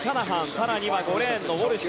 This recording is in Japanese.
更には５レーンのウォルシュ。